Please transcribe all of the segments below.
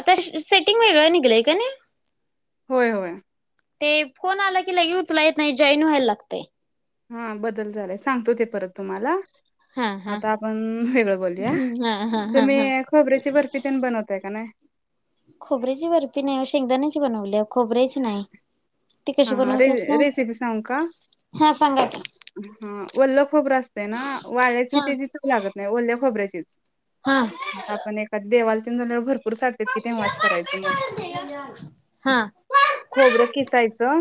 आता सेटिंग वेगळं निघलंय का नाही. होय होय. ते फोन आला की लगी उचलाय येत नाही जॉईन व्हायला लागतयं. हा बदल झालाय सांगतो ते परत तुम्हाला हा हा आता आपण वेगळं बोलूया हा हा हा तुम्ही हा खोबऱ्याची बर्फीपण बनवताय का नाही. बनवलीया खोबऱ्यांची नाही. ती हा कशी हा र बनवतात ना रेसिपी सांगु का हा सांगा की हां उल्प खबर असते ना. हा वाड्याची ते जी च लागत नाही ओल्या खोबऱ्याची हा तेच आपण एक देवाला झाल्यावर भरपूर सालतेत. हा किती वाज करायचं मग हा खोबरं किसायचं.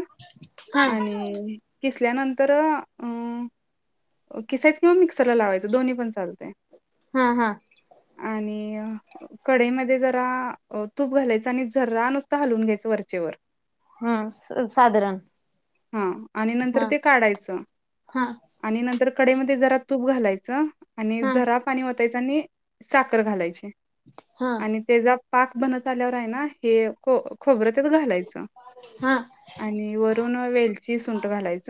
आणि किसल्यानंतर अ किसायचं किंवा मिक्सरला लावायचं दोन्ही पण चालत हा हा आणि कडेमध्ये जरा तूप घालायचं आणि झर नुसत हलवून घ्यायचं वरचेवरर हम् हा आणि नंतर हा ते काढायचं हा आणि नंतर ककडे ममध्ये जरा तूप घालायचं आणि हा जरा पाणी आणि साखर घालायची हा आणि त्याचा पाक बनत आल्यावर आहे ना हे खोबर त्यात घालायचं हा आणि व ून ववे शी सुंट घालायच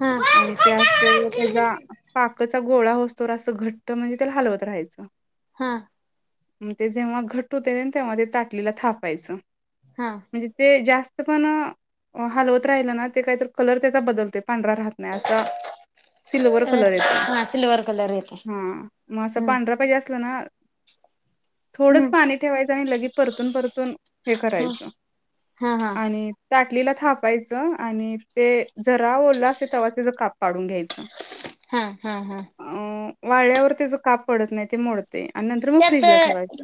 हा त्या त्याचा पाकचा गोळा होतो चोर अस घट्ट म्हणजे त्याला हलतहायचं हा ते जेव्हा घट होते तेव्हा ते ताटलीला थापायचं हा म्हणजे ते जास्त ते पण हलवत राहिल ना ते काय तर कलर त्याचा बदलते पांढरा राहत नाही अस सिल्वर कलर येतोय हा सिल्वर कलर येते हा मग अस हम्म पांढरा पाहिजे अस कणा थोडं हम्म पाणी ठेवायचं जालं की परतून परतून हे ह करायचं हा हा आणि ताटलीला थापायचं आणि ते जरा ओरलं असते तेव्हा तच काप पाडून घ्यायचं हा हा हा वाळ्यावर त्याचं काप पडत नाही ते मोडत त्यात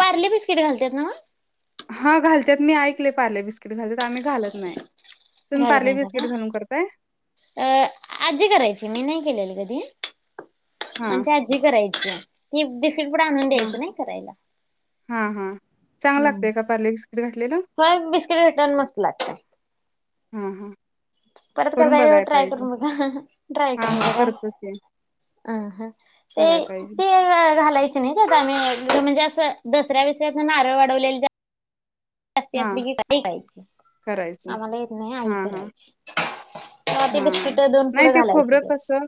पार्ली बिस्किट घालतात ना म हा घालत मी ऐकले पारले बिस्कीट घालात आम्ही घालत नाही तुम्ही घालत पार्ले नाही सका बिस्किट घालून करताय अ आजी करायची मी नाही केलेली कधी हा आमज आजी करायची ही किप दिस. पुढे आणून हा द्यायचं नाही करायला हा हा चांगलं हम्म, लागतंय का पार्ले बिस्किट घातलेलं ह बिस्किट घेसन बसलाय. हा हा. परत करून करता ये बघाय ट्राय पाहिजे करून बघा ट्राय हा करून हा करतो की बघा ते कराय पाहिजे तिळ घालायचे नाही त्यात. आम्ही म्हणजे असं दसऱ्या विसऱ्याच नारळ वाढवल्याले जात हा जास्तीस्त घाइ खायची करायचं आम्हाला येत नाही आई हां, हां, करायची तेव्हा ते बिस्किट हां. दोन नाही पुढं ते घालायचे खोबरं त्यात कसं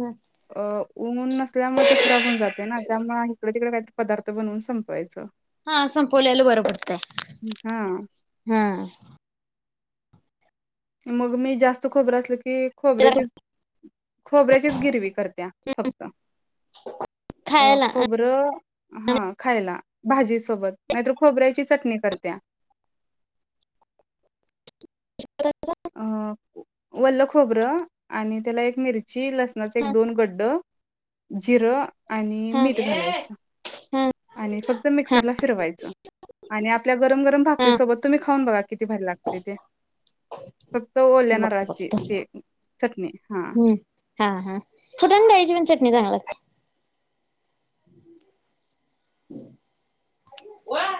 हम्म. अ, ऊन नसल्यामुळे ते खराब होऊन जाते ना, त्यामुळे इकड तिकडे काही तरी पदार्थ बनवून संपवायच. हा संपोलेला बर बडते. हा. मग मी जास्त खोबर असल की. ते त्याला खोबऱ्याचे. खोबऱ्याचीच गिरवी करते. फक्त खायला खोबर हा खायला भाजी सोबत नाहीत तर कुटया. खोबऱ्याची चटणी करत्या. अ वल्ल खोबर. आणि त्याला एक मिरची. ची लसणाचे एक दोन गड्ड. जिरं आणि हा मीठ घालायचं हा आणि फक्त मिक्सरला फिरवायच आणि आपल्या गरम गरम हा भाकरीसोबत तुम्ही खाऊन बघा किती भारी लागत ते. फक्त ओल्या बघ बघ नारळाची ते चटणी हा. हम्म हा हा कुटून घ्यायचीन चटणी चांगला. वर